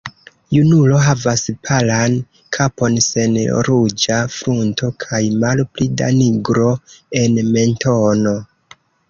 Junulo havas palan kapon sen ruĝa frunto kaj malpli da nigro en mentono.